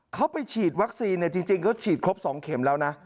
เขาไปฉีดวัคซีนจริงเขาฉีดครบ๒เข็มแล้วนะ